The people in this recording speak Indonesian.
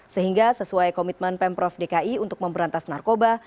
sehingga sesuai komitmen pemprov dki untuk memberantas narkoba